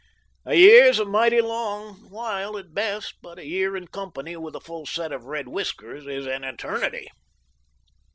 A year's a mighty long while at best, but a year in company with a full set of red whiskers is an eternity."